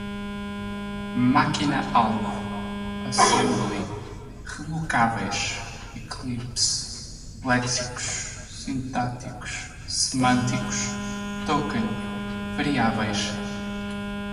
máquina-alvo, assembly, relocáveis, eclipse, léxicos, sintáticos, semânticos, token, variáveis